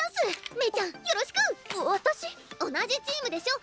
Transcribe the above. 同じチームでしょ！